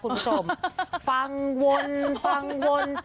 คุณผู้ชมฟังวนฟังวน